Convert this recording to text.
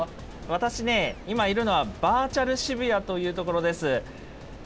私ね、今いるのは、バーチャル渋谷というところです。